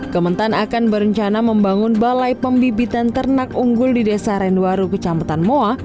kementan akan berencana membangun balai pembibitan ternak unggul di desa renwaru kecamatan moa